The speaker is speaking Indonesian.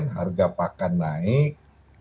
harga pakan naik